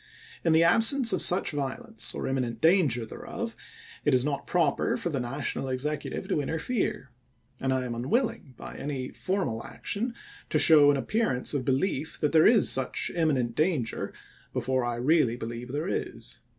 In the absence of such violence, or imminent danger thereof, it is not proper for the National Executive to interfere ; and I am unwilling, by any formal action, to show an appearance of belief that there is such imminent danger before I really believe there is.